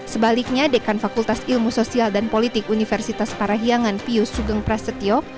sebaliknya dekan fakultas ilmu sosial dan politik universitas parahiangan pius sugeng prasetyo